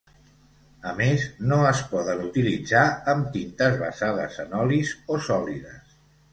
A més, no es poden utilitzar amb tintes basades en olis o sòlides.